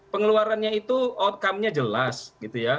pengeluarannya itu outcome nya jelas gitu ya